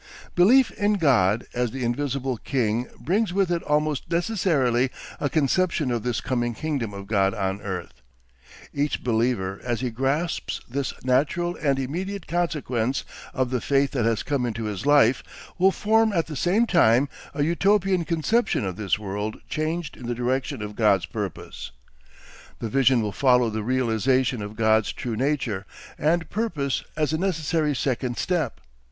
Belief in God as the Invisible King brings with it almost necessarily a conception of this coming kingdom of God on earth. Each believer as he grasps this natural and immediate consequence of the faith that has come into his life will form at the same time a Utopian conception of this world changed in the direction of God's purpose. The vision will follow the realisation of God's true nature and purpose as a necessary second step.